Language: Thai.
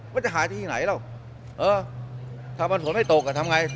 มันจะหาที่ไหนแล้วเออถ้ามันฝนไม่ตกอ่ะทำไง